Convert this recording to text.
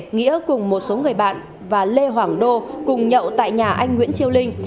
nghĩa cùng một số người bạn và lê hoàng đô cùng nhậu tại nhà anh nguyễn triêu linh